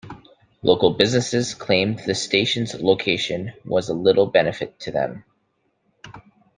Local businesses claimed the station's location was of little benefit to them.